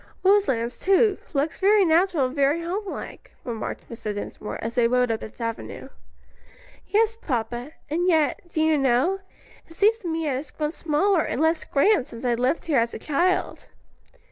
"Roselands, too, looks very natural, and very homelike," remarked Mr. Dinsmore, as they rode up its avenue. "Yes, papa; and yet, do you know, it seems to me it has grown smaller and less grand since I lived here as a child."